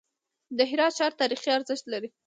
د هرات ښار تاریخي ارزښت لري.